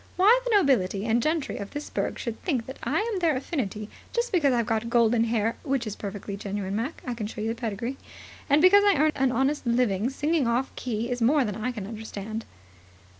Why the nobility and gentry of this burg should think that I'm their affinity just because I've got golden hair which is perfectly genuine, Mac; I can show you the pedigree and because I earn an honest living singing off the key, is more than I can understand."